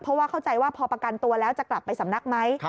เพราะว่าเข้าใจว่าพอประกันตัวแล้วจะกลับไปสำนักไหม